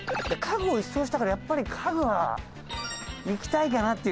家具を一掃したからやっぱり家具はいきたいかなっていう。